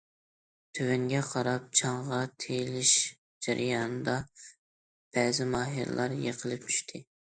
تۆۋەنگە قاراپ چاڭغا تېيىلىش جەريانىدا، بەزى ماھىرلار يىقىلىپ چۈشتى.